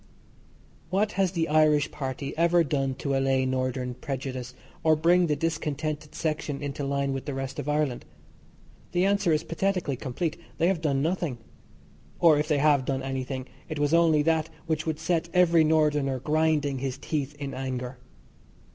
What has the Irish Party ever done to allay Northern prejudice, or bring the discontented section into line with the rest of Ireland? The answer is pathetically complete. They have done nothing. Or, if they have done anything, it was only that which would set every Northerner grinding his teeth in anger.